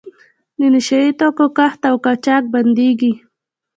د نشه یي توکو کښت او قاچاق بندیږي.